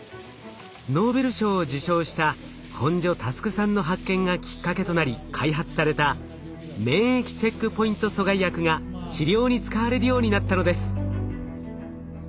ノーベル賞を受賞した本庶佑さんの発見がきっかけとなり開発された免疫チェックポイント阻害薬が治療に使われるようになったのです。